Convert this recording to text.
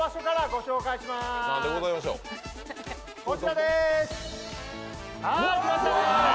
こちらです。